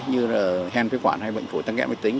như là hen phế quản hay bệnh phổi tăng nghẹn bệnh tính